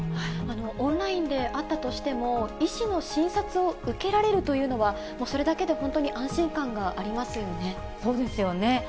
オンラインであったとしても、医師の診察を受けられるというのは、それだけで本当に安心感があそうですよね。